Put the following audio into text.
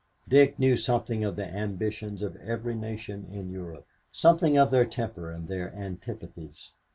Dick knew something of the ambitions of every nation in Europe, something of their temper and their antipathies.